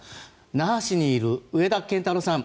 那覇市にいる上田健太郎さん